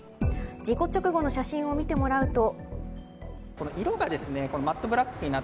事故直後の写真を見てもらうと。